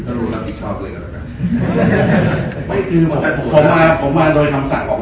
ก็รู้รับผิดชอบเลยกันแล้วกันไม่คือว่าผมมาผมมาโดยคำสั่งของ